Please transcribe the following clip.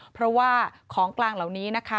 เพราะว่าของกลางเหล่านี้นะคะ